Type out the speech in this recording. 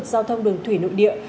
giao thông đường thủy nội địa